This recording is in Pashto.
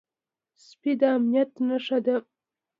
سپي د امنيت نښه ده.